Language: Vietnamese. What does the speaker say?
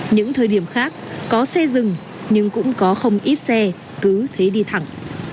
những thời điểm khác có xe dừng nhưng cũng có không ít xe cứ thế đi thẳng